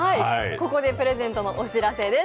ここでプレゼントのお知らせです。